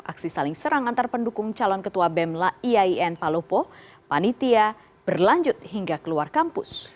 aksi saling serang antar pendukung calon ketua bem iain palopo panitia berlanjut hingga keluar kampus